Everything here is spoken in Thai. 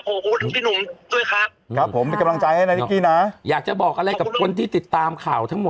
โอ้โหถึงพี่หนุ่มด้วยครับครับผมเป็นกำลังใจให้นะนิกกี้นะอยากจะบอกอะไรกับคนที่ติดตามข่าวทั้งหมด